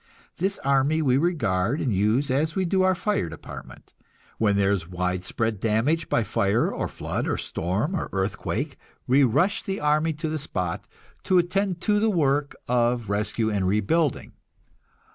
This army we regard and use as we do our fire department. When there is widespread damage by fire or flood or storm or earthquake, we rush the army to the spot to attend to the work of rescue and rebuilding.